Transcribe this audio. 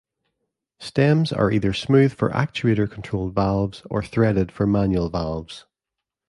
Stems are either smooth for actuator controlled valves or threaded for manual valves.